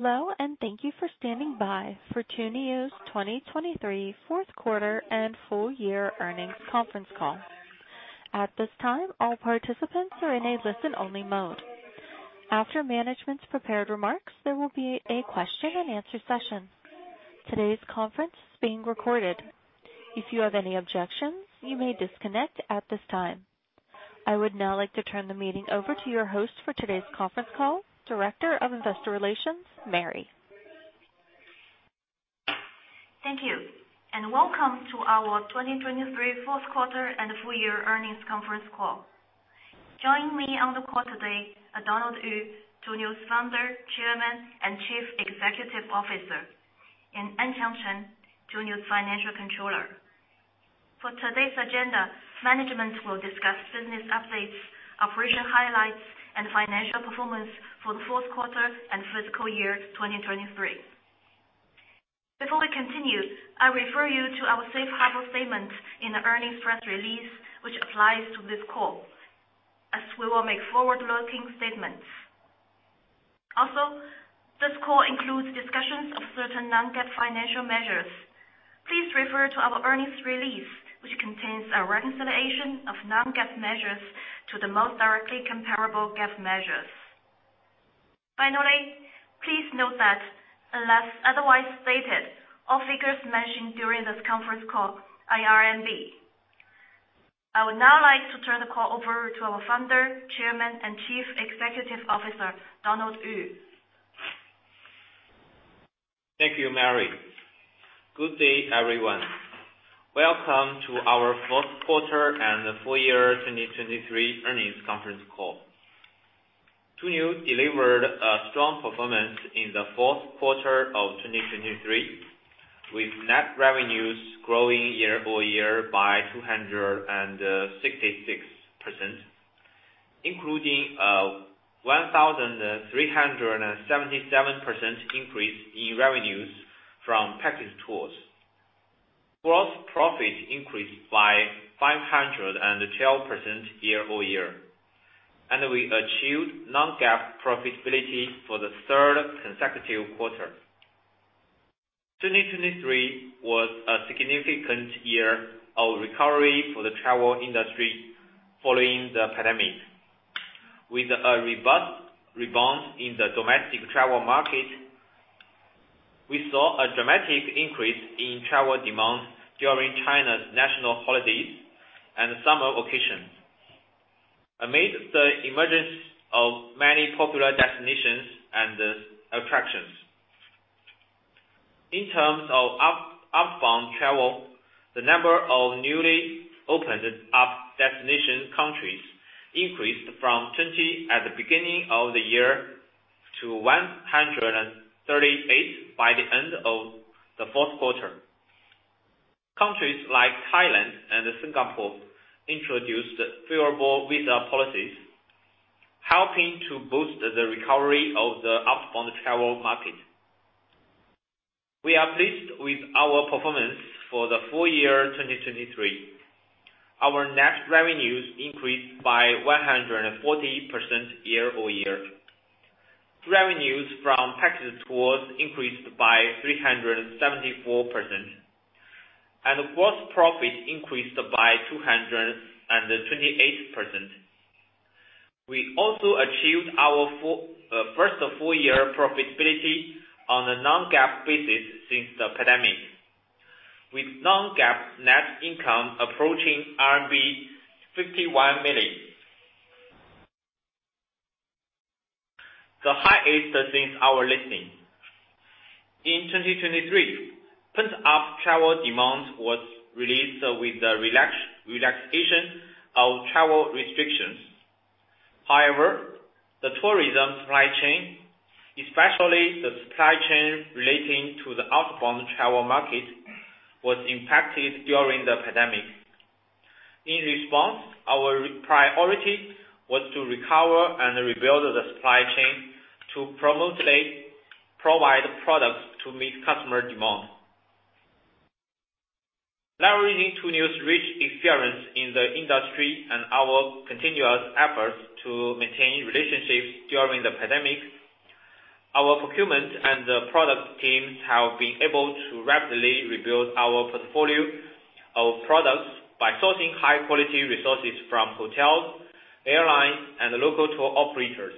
Hello and thank you for standing by for Tuniu's 2023 Fourth Quarter and Full Year Earnings Conference Call. At this time, all participants are in a listen-only mode. After management's prepared remarks, there will be a question-and-answer session. Today's conference is being recorded. If you have any objections, you may disconnect at this time. I would now like to turn the meeting over to your host for today's conference call, Director of Investor Relations, Mary. Thank you, and welcome to our 2023 Fourth Quarter and Full Year Earnings Conference Call. Joining me on the call today, Donald Dunde Yu, Tuniu's founder, chairman, and chief executive officer, and Anqiang Chen, Tuniu's financial controller. For today's agenda, management will discuss business updates, operation highlights, and financial performance for the fourth quarter and fiscal year 2023. Before we continue, I refer you to our safe harbor statement in the earnings press release, which applies to this call, as we will make forward-looking statements. Also, this call includes discussions of certain non-GAAP financial measures. Please refer to our earnings release, which contains a reconciliation of non-GAAP measures to the most directly comparable GAAP measures. Finally, please note that unless otherwise stated, all figures mentioned during this conference call are RMB. I would now like to turn the call over to our founder, chairman, and chief executive officer, Donald Yu. Thank you, Mary. Good day, everyone. Welcome to our Fourth Quarter and Full Year 2023 Earnings Conference Call. Tuniu delivered a strong performance in the fourth quarter of 2023, with net revenues growing year-over-year by 266%, including a 1,377% increase in revenues from packaged tours, gross profit increased by 512% year-over-year, and we achieved non-GAAP profitability for the third consecutive quarter. 2023 was a significant year of recovery for the travel industry following the pandemic. With a robust rebound in the domestic travel market, we saw a dramatic increase in travel demand during China's national holidays and summer vacations, amid the emergence of many popular destinations and attractions. In terms of outbound travel, the number of newly opened destination countries increased from 20 at the beginning of the year to 138 by the end of the fourth quarter. Countries like Thailand and Singapore introduced favorable visa policies, helping to boost the recovery of the outbound travel market. We are pleased with our performance for the full year 2023. Our net revenues increased by 140% year-over-year. Revenues from packaged tours increased by 374%, and gross profit increased by 228%. We also achieved our first full year profitability on a non-GAAP basis since the pandemic, with non-GAAP net income approaching RMB 51 million, the highest since our listing. In 2023, pent-up travel demand was released with the relaxation of travel restrictions. However, the tourism supply chain, especially the supply chain relating to the outbound travel market, was impacted during the pandemic. In response, our priority was to recover and rebuild the supply chain to promptly provide products to meet customer demand. Leveraging Tuniu's rich experience in the industry and our continuous efforts to maintain relationships during the pandemic, our procurement and product teams have been able to rapidly rebuild our portfolio of products by sourcing high-quality resources from hotels, airlines, and local tour operators.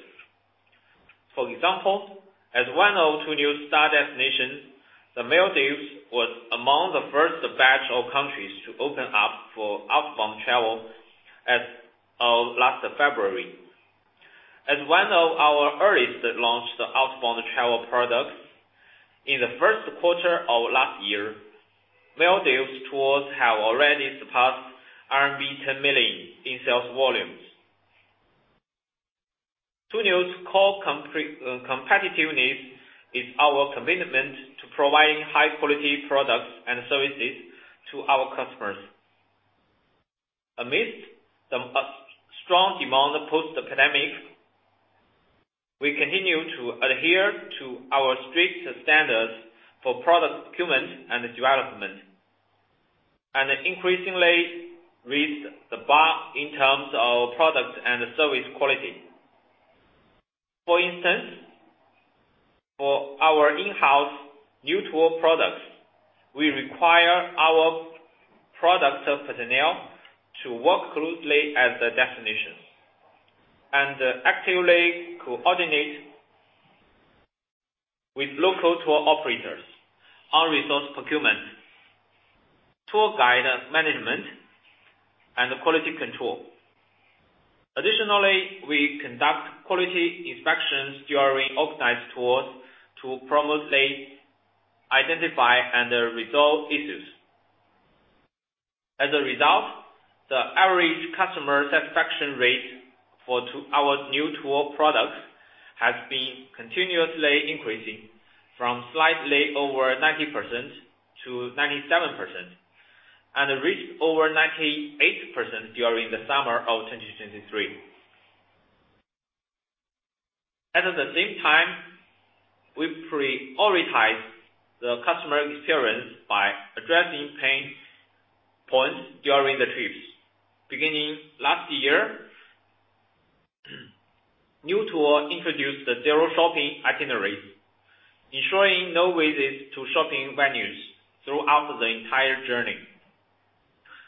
For example, as one of Tuniu's star destinations, the Maldives was among the first batch of countries to open up for outbound travel last February. As one of our earliest launched outbound travel products in the first quarter of last year, Maldives tours have already surpassed RMB 10 million in sales volumes. Tuniu's core competitiveness is our commitment to providing high-quality products and services to our customers. Amidst the strong demand post-pandemic, we continue to adhere to our strict standards for product procurement and development, and increasingly raise the bar in terms of product and service quality. For instance, for our in-house Niu tour products, we require our product personnel to work closely at the destinations and actively coordinate with local tour operators, resource procurement, tour guide management, and quality control. Additionally, we conduct quality inspections during organized tours to promptly identify and resolve issues. As a result, the average customer satisfaction rate for our Niu tour products has been continuously increasing from slightly over 90% to 97% and reached over 98% during the summer of 2023. At the same time, we prioritize the customer experience by addressing pain points during the trips. Beginning last year, Niu tour introduced the Zero-Shopping itineraries, ensuring no visits to shopping venues throughout the entire journey,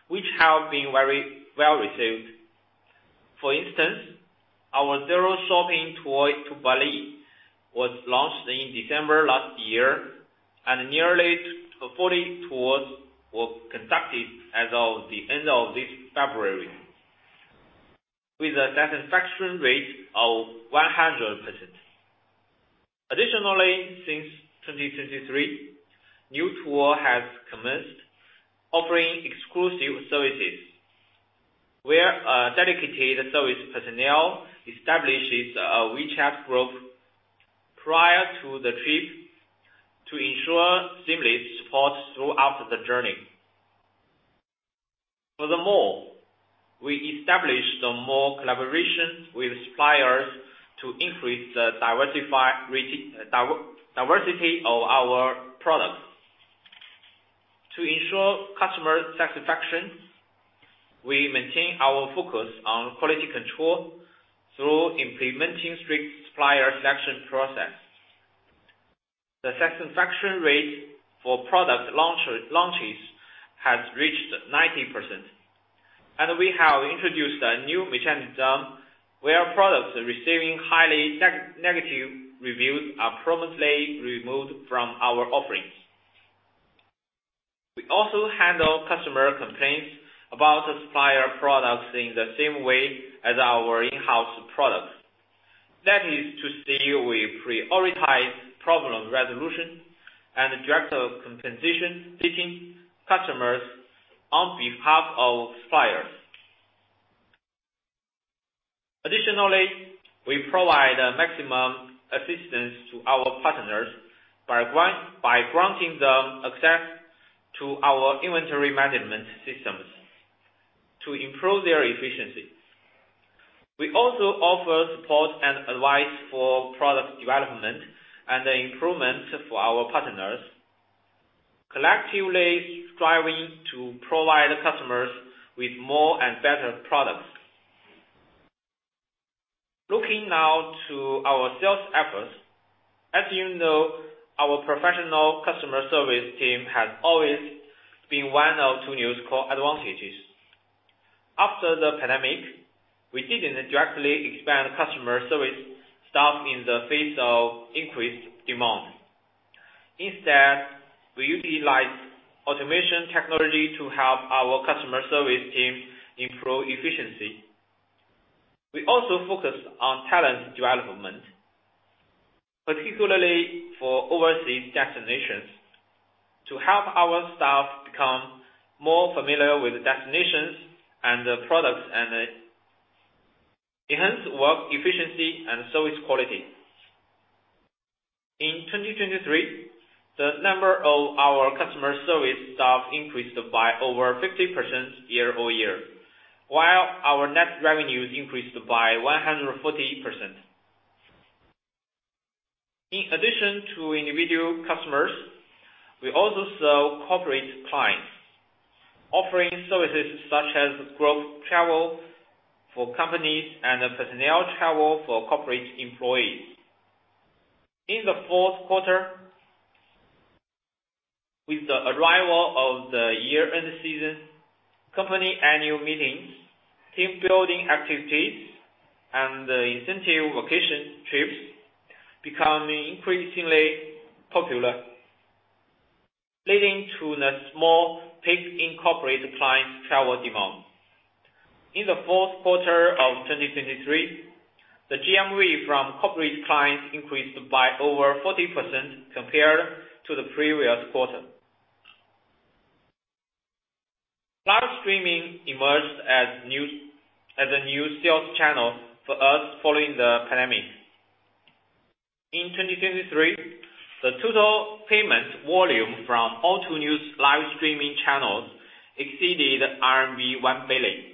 which have been very well received. For instance, our Zero-Shopping tour to Bali was launched in December last year, and nearly 40 tours were conducted as of the end of this February, with a satisfaction rate of 100%. Additionally, since 2023, Niu tour has commenced, offering exclusive services, where dedicated service personnel establishes a WeChat group prior to the trip to ensure seamless support throughout the journey. Furthermore, we established more collaboration with suppliers to increase the diversity of our products. To ensure customer satisfaction, we maintain our focus on quality control through implementing strict supplier selection processes. The satisfaction rate for product launches has reached 90%, and we have introduced a new mechanism where products receiving highly negative reviews are promptly removed from our offerings. We also handle customer complaints about supplier products in the same way as our in-house products. That is to say, we prioritize problem resolution and direct compensation seeking customers on behalf of suppliers. Additionally, we provide maximum assistance to our partners by granting them access to our inventory management systems to improve their efficiency. We also offer support and advice for product development and improvement for our partners, collectively striving to provide customers with more and better products. Looking now to our sales efforts, as you know, our professional customer service team has always been one of Tuniu's core advantages. After the pandemic, we didn't directly expand customer service staff in the face of increased demand. Instead, we utilized automation technology to help our customer service team improve efficiency. We also focused on talent development, particularly for overseas destinations, to help our staff become more familiar with the destinations and products and enhance work efficiency and service quality. In 2023, the number of our customer service staff increased by over 50% year-over-year, while our net revenues increased by 140%. In addition to individual customers, we also serve corporate clients, offering services such as group travel for companies and personnel travel for corporate employees. In the fourth quarter, with the arrival of the year-end season, company annual meetings, team-building activities, and incentive vacation trips become increasingly popular, leading to a small peak in corporate clients' travel demand. In the fourth quarter of 2023, the GMV from corporate clients increased by over 40% compared to the previous quarter. Live streaming emerged as a new sales channel for us following the pandemic. In 2023, the total payment volume from all Tuniu's live streaming channels exceeded 1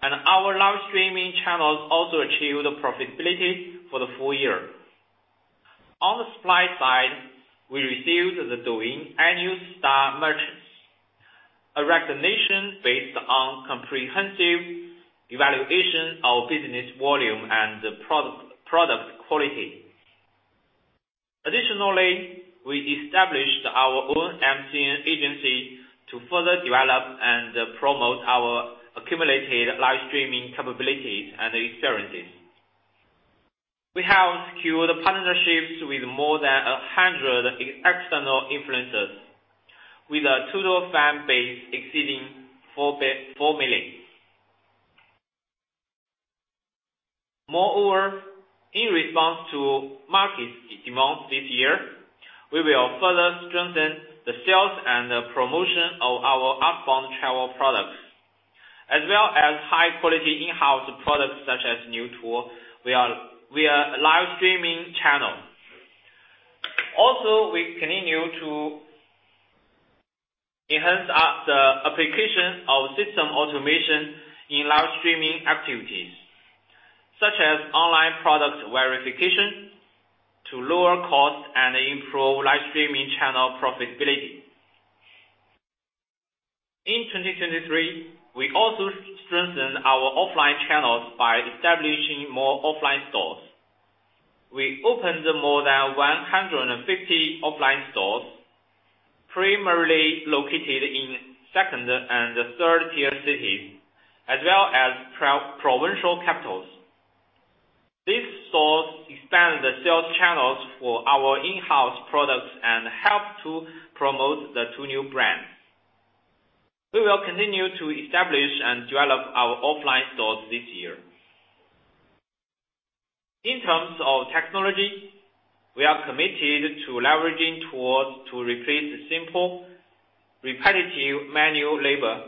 billion, and our live streaming channels also achieved profitability for the full year. On the supply side, we received the Douyin Annual Star Merchants, recognition based on comprehensive evaluation of business volume and product quality. Additionally, we established our own MCN agency to further develop and promote our accumulated live streaming capabilities and experiences. We have secured partnerships with more than 100 external influencers, with a total fan base exceeding 4 million. Moreover, in response to market demand this year, we will further strengthen the sales and promotion of our outbound travel products, as well as high-quality in-house products such as Niu tour via live streaming channels. Also, we continue to enhance the application of system automation in live streaming activities, such as online product verification, to lower costs and improve live streaming channel profitability. In 2023, we also strengthened our offline channels by establishing more offline stores. We opened more than 150 offline stores, primarily located in second and third-tier cities, as well as provincial capitals. These stores expanded the sales channels for our in-house products and helped to promote the Tuniu brand. We will continue to establish and develop our offline stores this year. In terms of technology, we are committed to leveraging tools to replace simple, repetitive manual labor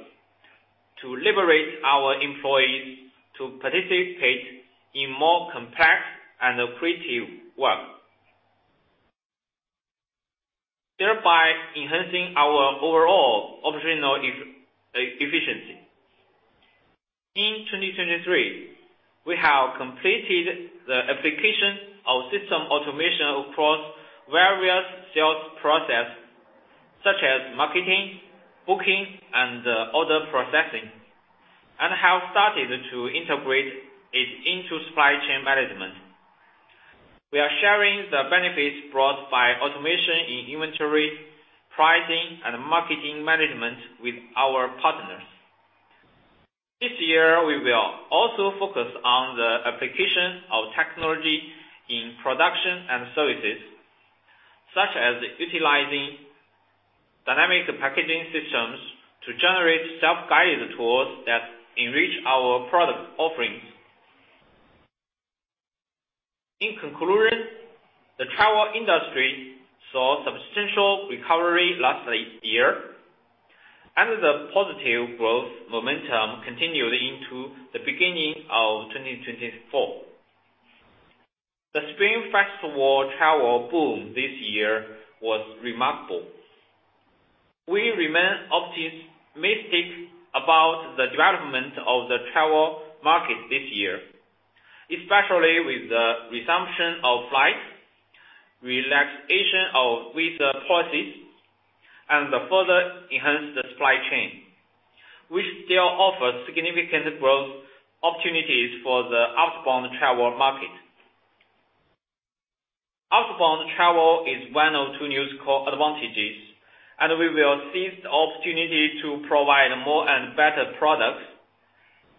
to liberate our employees to participate in more complex and creative work, thereby enhancing our overall operational efficiency. In 2023, we have completed the application of system automation across various sales processes, such as marketing, booking, and order processing, and have started to integrate it into supply chain management. We are sharing the benefits brought by automation in inventory, pricing, and marketing management with our partners. This year, we will also focus on the application of technology in production and services, such as utilizing dynamic packaging systems to generate self-guided tours that enrich our product offerings. In conclusion, the travel industry saw substantial recovery last year, and the positive growth momentum continued into the beginning of 2024. The Spring Festival travel boom this year was remarkable. We remain optimistic about the development of the travel market this year, especially with the resumption of flights, relaxation of visa policies, and the further enhanced supply chain, which still offers significant growth opportunities for the outbound travel market. Outbound travel is one of Tuniu's core advantages, and we will seize the opportunity to provide more and better products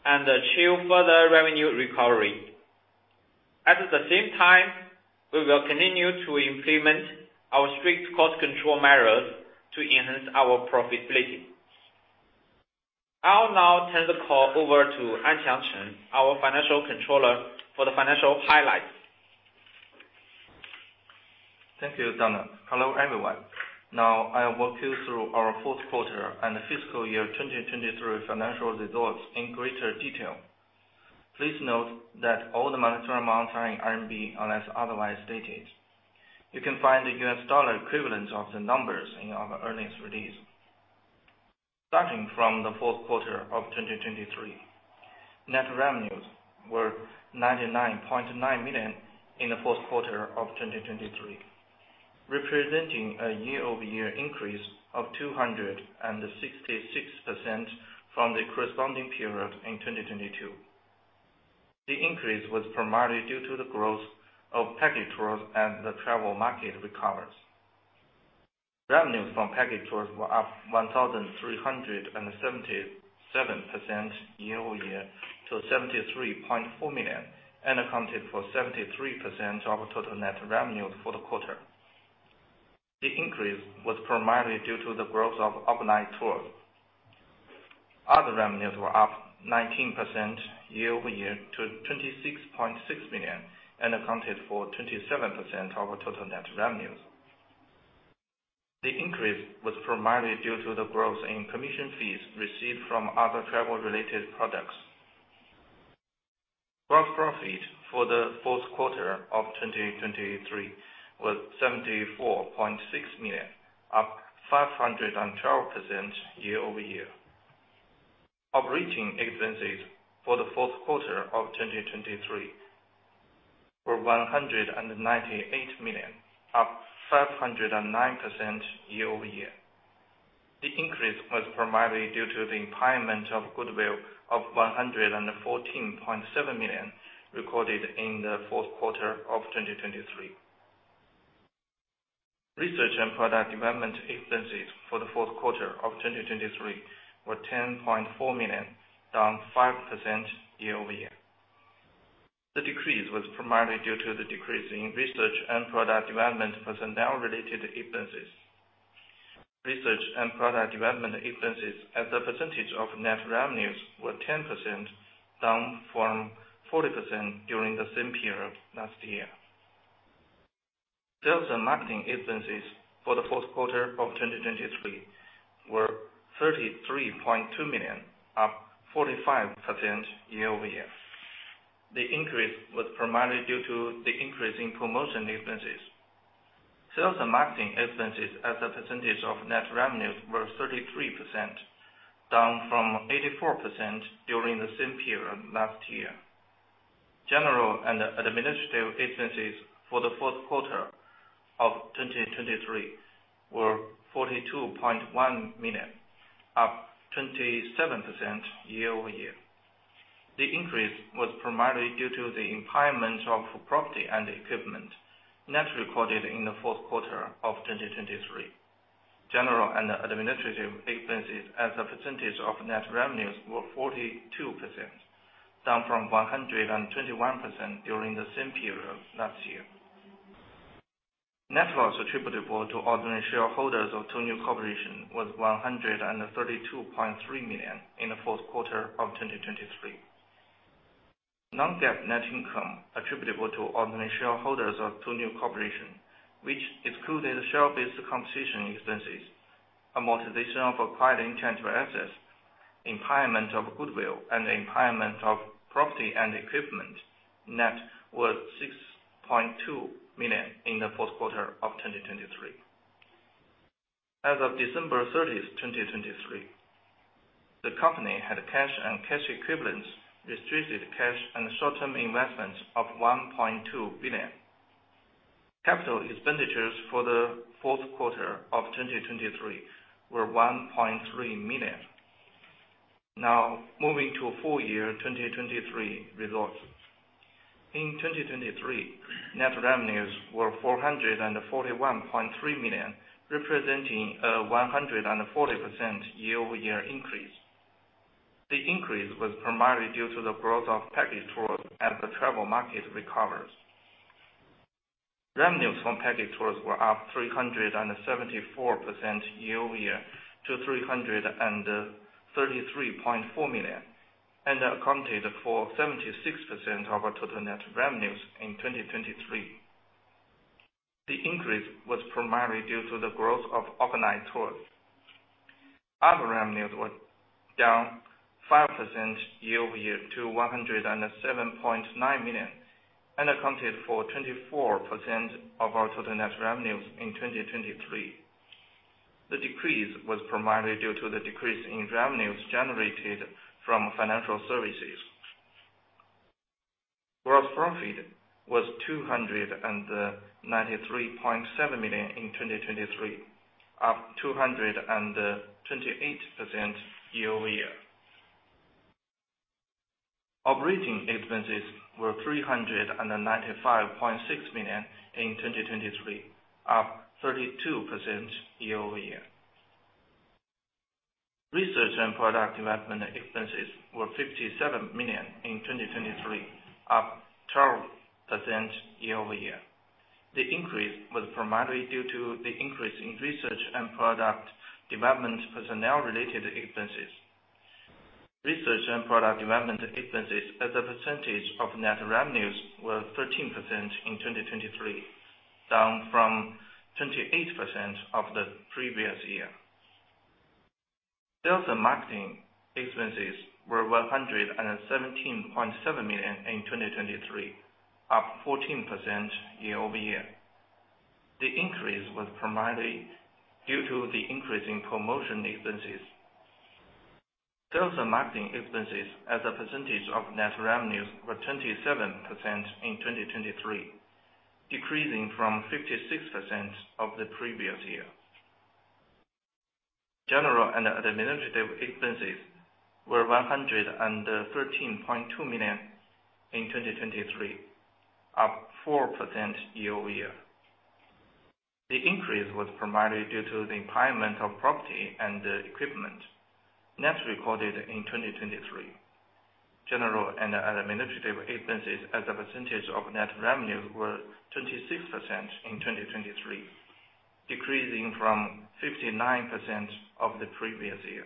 and achieve further revenue recovery. At the same time, we will continue to implement our strict cost control measures to enhance our profitability. I'll now turn the call over to Anqiang Chen, our Financial Controller, for the financial highlights. Thank you, Donald. Hello, everyone. Now, I'll walk you through our fourth quarter and fiscal year 2023 financial results in greater detail. Please note that all the monetary amounts are in RMB unless otherwise stated. You can find the U.S. dollar equivalent of the numbers in our earnings release. Starting from the fourth quarter of 2023, net revenues were 99.9 million in the fourth quarter of 2023, representing a year-over-year increase of 266% from the corresponding period in 2022. The increase was primarily due to the growth of package tours and the travel market recovery. Revenues from package tours were up 1,377% year over year to 73.4 million and accounted for 73% of total net revenues for the quarter. The increase was primarily due to the growth of overnight tours. Other revenues were up 19% year over year to 26.6 million and accounted for 27% of total net revenues. The increase was primarily due to the growth in commission fees received from other travel-related products. Gross profit for the fourth quarter of 2023 was 74.6 million, up 512% year-over-year. Operating expenses for the fourth quarter of 2023 were 198 million, up 509% year-over-year. The increase was primarily due to the impairment of goodwill of 114.7 million recorded in the fourth quarter of 2023. Research and product development expenses for the fourth quarter of 2023 were 10.4 million, down 5% year-over-year. The decrease was primarily due to the decrease in research and product development personnel-related expenses. Research and product development expenses as a percentage of net revenues were 10%, down from 40% during the same period last year. Sales and marketing expenses for the fourth quarter of 2023 were 33.2 million, up 45% year-over-year. The increase was primarily due to the increase in promotion expenses. Sales and marketing expenses as a percentage of net revenues were 33%, down from 84% during the same period last year. General and administrative expenses for the fourth quarter of 2023 were RMB 42.1 million, up 27% year-over-year. The increase was primarily due to the impairment of property and equipment net recorded in the fourth quarter of 2023. General and administrative expenses as a percentage of net revenues were 42%, down from 121% during the same period last year. Net loss attributable to ordinary shareholders of Tuniu Corporation was 132.3 million in the fourth quarter of 2023. Non-GAAP net income attributable to ordinary shareholders of Tuniu Corporation, which excluded share-based compensation expenses, amortization of acquired intangible assets, impairment of goodwill, and impairment of property and equipment net were 6.2 million in the fourth quarter of 2023. As of December 30, 2023, the company had cash and cash equivalents, restricted cash, and short-term investments of 1.2 billion. Capital expenditures for the fourth quarter of 2023 were 1.3 million. Now, moving to full-year 2023 results. In 2023, net revenues were 441.3 million, representing a 140% year-over-year increase. The increase was primarily due to the growth of package tours as the travel market recovered. Revenues from package tours were up 374% year-over-year to 333.4 million and accounted for 76% of total net revenues in 2023. The increase was primarily due to the growth of organized tours. Other revenues were down 5% year-over-year to 107.9 million and accounted for 24% of our total net revenues in 2023. The decrease was primarily due to the decrease in revenues generated from financial services. Gross profit was 293.7 million in 2023, up 228% year-over-year. Operating expenses were 395.6 million in 2023, up 32% year-over-year. Research and product development expenses were 57 million in 2023, up 12% year-over-year. The increase was primarily due to the increase in research and product development personnel-related expenses. Research and product development expenses as a percentage of net revenues were 13% in 2023, down from 28% of the previous year. Sales and marketing expenses were 117.7 million in 2023, up 14% year-over-year. The increase was primarily due to the increase in promotion expenses. Sales and marketing expenses as a percentage of net revenues were 27% in 2023, decreasing from 56% of the previous year. General and administrative expenses were 113.2 million in 2023, up 4% year-over-year. The increase was primarily due to the impairment of property and equipment, net, recorded in 2023. General and administrative expenses as a percentage of net revenues were 26% in 2023, decreasing from 59% of the previous year.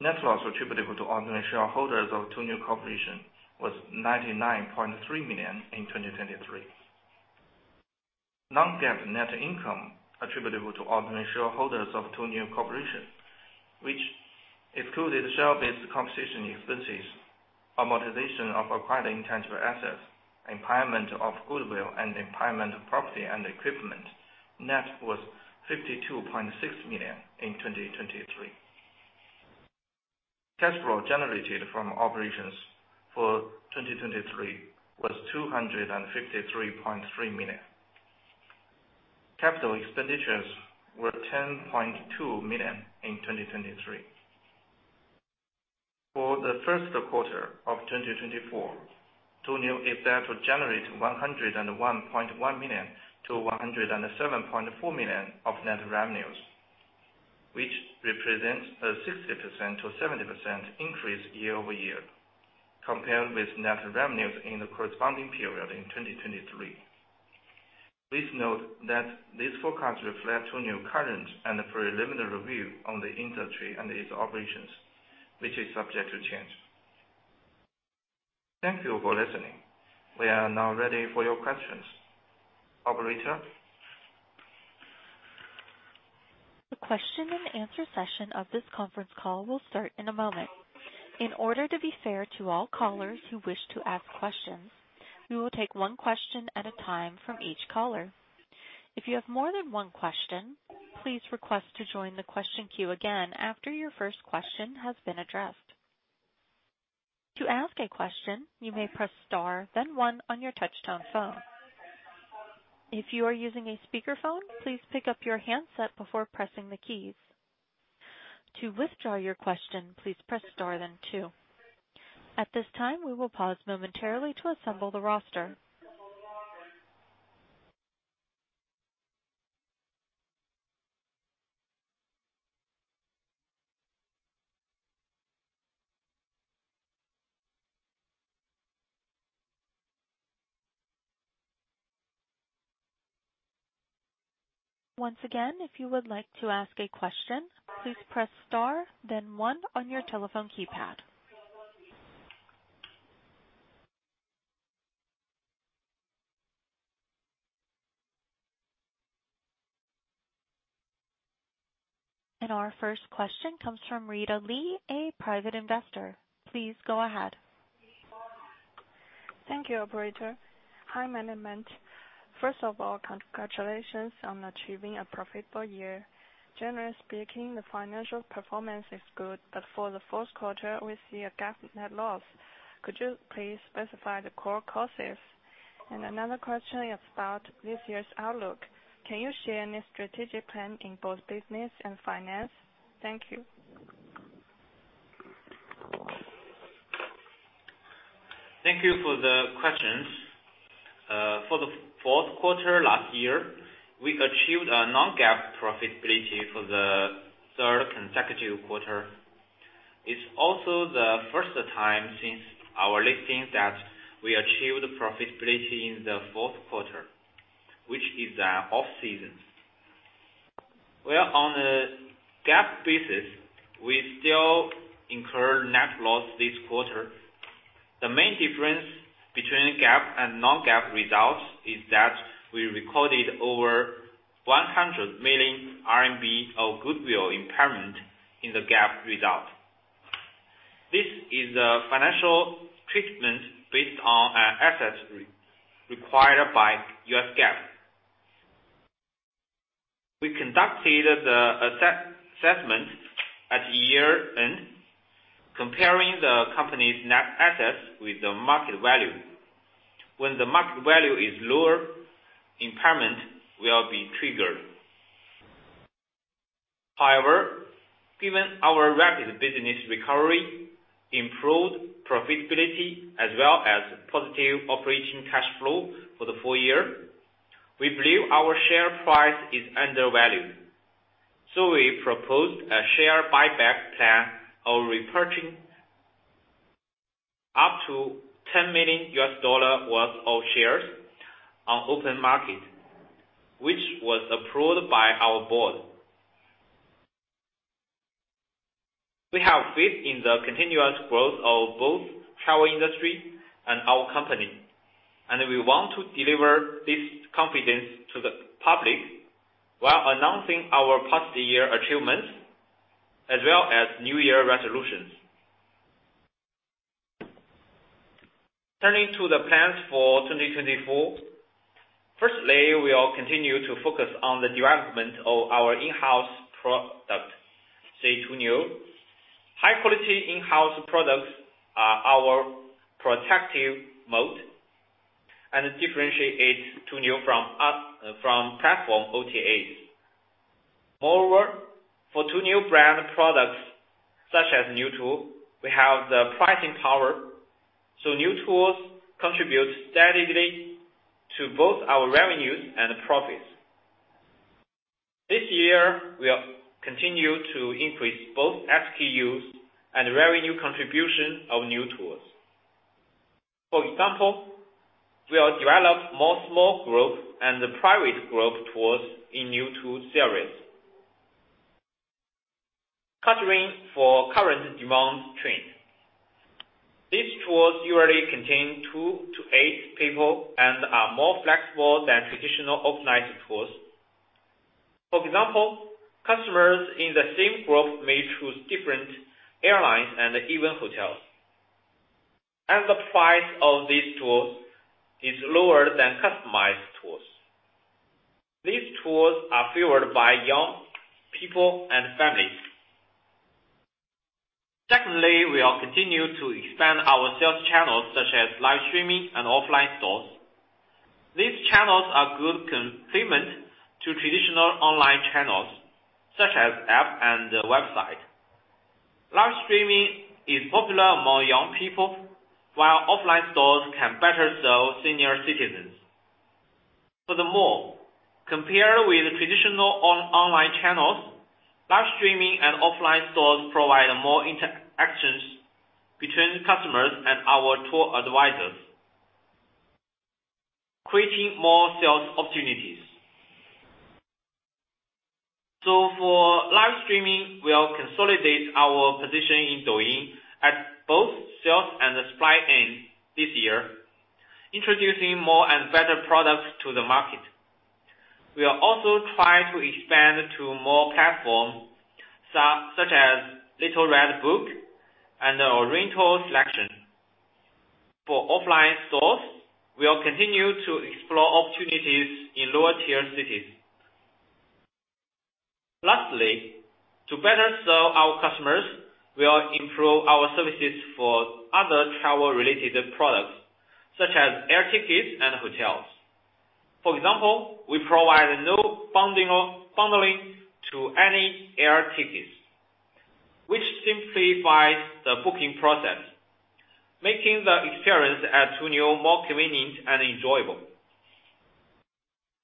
Net loss attributable to ordinary shareholders of Tuniu Corporation was 99.3 million in 2023. Non-GAAP net income attributable to ordinary shareholders of Tuniu Corporation, which excluded share-based compensation expenses, amortization of acquired intangible assets, impairment of goodwill, and impairment of property and equipment net was 52.6 million in 2023. Cash flow generated from operations for 2023 was 253.3 million. Capital expenditures were 10.2 million in 2023. For the first quarter of 2024, Tuniu is set to generate 101.1 million-107.4 million of net revenues, which represents a 60%-70% increase year-over-year compared with net revenues in the corresponding period in 2023. Please note that these forecasts reflect Tuniu's current and preliminary view on the industry and its operations, which is subject to change. Thank you for listening. We are now ready for your questions. Operator? The question-and-answer session of this conference call will start in a moment. In order to be fair to all callers who wish to ask questions, we will take one question at a time from each caller. If you have more than one question, please request to join the question queue again after your first question has been addressed. To ask a question, you may press star, then one, on your touch-tone phone. If you are using a speakerphone, please pick up your handset before pressing the keys. To withdraw your question, please press star, then two. At this time, we will pause momentarily to assemble the roster. Once again, if you would like to ask a question, please press star, then one, on your telephone keypad. Our first question comes from Rita Lee, a private investor. Please go ahead. Thank you, Operator. Hi, Management. First of all, congratulations on achieving a profitable year. Generally speaking, the financial performance is good, but for the fourth quarter, we see a GAAPnet loss. Could you please specify the core causes? Another question is about this year's outlook. Can you share any strategic plan in both business and finance? Thank you. Thank you for the questions. For the fourth quarter last year, we achieved a non-GAAP profitability for the third consecutive quarter. It's also the first time since our listing that we achieved profitability in the fourth quarter, which is off-season. Well, on a GAAP basis, we still incur net loss this quarter. The main difference between GAAP and non-GAAP results is that we recorded over 100 million RMB of goodwill impairment in the GAAP result. This is the financial treatment based on assets required by U.S. GAAP. We conducted the assessment at year-end, comparing the company's net assets with the market value. When the market value is lower, impairment will be triggered. However, given our rapid business recovery, improved profitability, as well as positive operating cash flow for the full year, we believe our share price is undervalued. We proposed a share buyback plan of repurchasing up to $10 million worth of shares on open market, which was approved by our board. We have faith in the continuous growth of both travel industry and our company, and we want to deliver this confidence to the public while announcing our past year achievements, as well as New Year resolutions. Turning to the plans for 2024, firstly, we will continue to focus on the development of our in-house product, say Tuniu High-quality in-house products are our protective moat and differentiate Tuniu from platform OTAs. Moreover, for Tuniu brand products such as Niu Tours, we have the pricing power. So Niu Tours contribute steadily to both our revenues and profits. This year, we will continue to increase both SKUs and revenue contribution of new tools. For example, we will develop more small group and private group tours in Niu tour series. Catering for current demand trend. These tours usually contain two-eight people and are more flexible than traditional organized tours. For example, customers in the same group may choose different airlines and even hotels. And the price of these tours is lower than customized tours. These tours are favored by young people and families. Secondly, we will continue to expand our sales channels such as live streaming and offline stores. These channels are good complement to traditional online channels such as app and website. Live streaming is popular among young people, while offline stores can better serve senior citizens. Furthermore, compared with traditional online channels, live streaming and offline stores provide more interactions between customers and our tour advisors, creating more sales opportunities. So for live streaming, we will consolidate our position in Douyin at both sales and supply end this year, introducing more and better products to the market. We will also try to expand to more platforms such as Little Red Book and Oriental Selection. For offline stores, we will continue to explore opportunities in lower-tier cities. Lastly, to better serve our customers, we will improve our services for other travel-related products such as air tickets and hotels. For example, we provide no bundling to any air tickets, which simplifies the booking process, making the experience at Tuniu more convenient and enjoyable.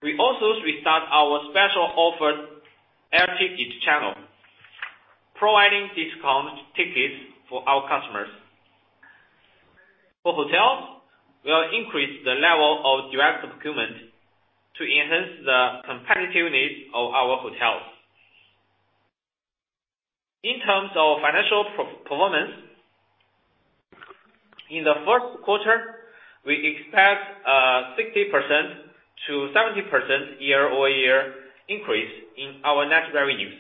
We also restart our special offered air ticket channel, providing discount tickets for our customers. For hotels, we will increase the level of direct procurement to enhance the competitive needs of our hotels. In terms of financial performance, in the first quarter, we expect a 60%-70% year-over-year increase in our net revenues.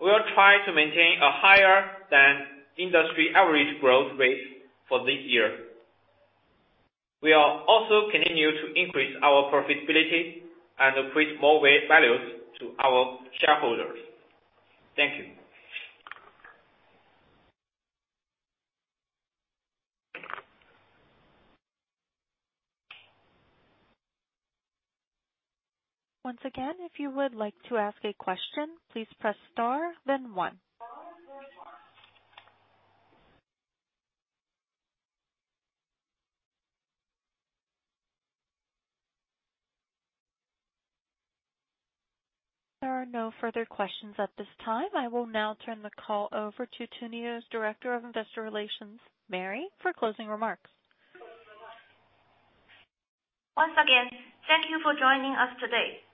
We will try to maintain a higher than industry average growth rate for this year. We will also continue to increase our profitability and create more values to our shareholders. Thank you. Once again, if you would like to ask a question, please press star, then one. There are no further questions at this time. I will now turn the call over to Tuniu's Director of Investor Relations, Mary, for closing remarks. Once again, thank you for joining us today.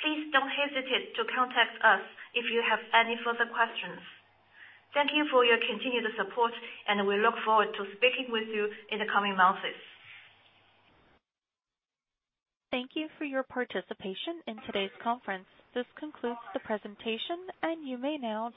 Please don't hesitate to contact us if you have any further questions. Thank you for your continued support, and we look forward to speaking with you in the coming months. Thank you for your participation in today's conference. This concludes the presentation, and you may now.